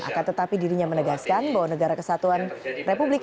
akan tetapi dirinya menegaskan bahwa negara kesatuan republik